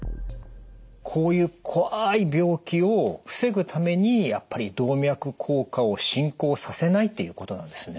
こういう怖い病気を防ぐためにやっぱり動脈硬化を進行させないっていうことなんですね？